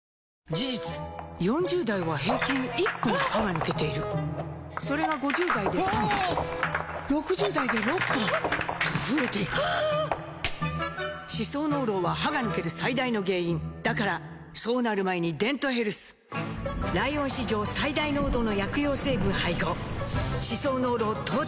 事実４０代は平均１本歯が抜けているそれが５０代で３本６０代で６本と増えていく歯槽膿漏は歯が抜ける最大の原因だからそうなる前に「デントヘルス」ライオン史上最大濃度の薬用成分配合歯槽膿漏トータルケア！